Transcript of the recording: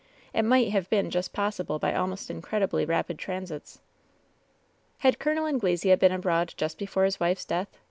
It might have been just possible by almost incredibly rapid transits. "Had Col. Anglesea been abroad just before his wife's death